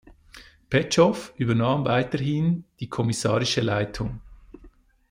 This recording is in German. Petschow übernahm weiterhin die kommissarische Leitung.